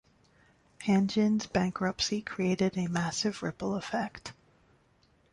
Hanjin's bankruptcy created a massive ripple effect.